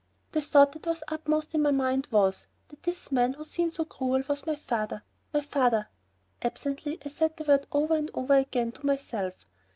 The thought that was uppermost in my mind was, that this man who seemed so cruel was my father! My father! Absently I said the word over and over again to myself.